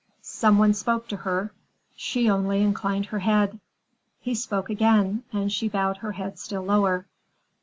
Some one spoke to her; she only inclined her head. He spoke again, and she bowed her head still lower.